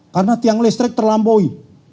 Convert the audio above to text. karena tiang listrik terlampaui